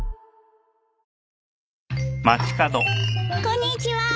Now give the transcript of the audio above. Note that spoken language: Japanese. こんにちは。